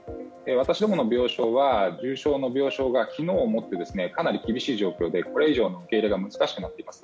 私どもの病床は重症病床が昨日をもってかなり厳しい状況でこれ以上の受け入れが難しくなっています。